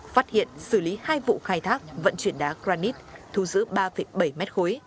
phát hiện xử lý hai vụ khai thác vận chuyển đá granite thu giữ ba bảy m ba